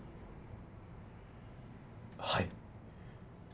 はい。